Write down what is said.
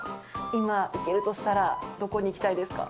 今、行けるとしたらどこに行きたいですか。